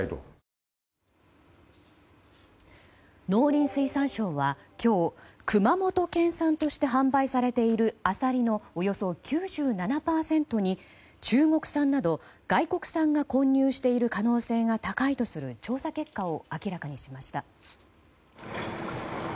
農林水産省は今日熊本県産として販売されているアサリのおよそ９７％に中国産など外国産が混入している可能性が高いとする調査結果を明らかにしました。